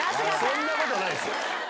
そんなことないっすよ。